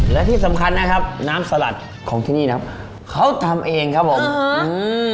และที่สำคัญนะครับน้ำสลัดของที่นี่นะครับเขาทำเองครับผมอืม